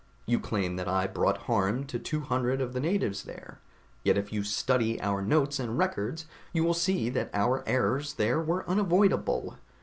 You claim that I brought harm to two hundred of the natives there, yet if you study our notes and records, you will see that our errors there were unavoidable.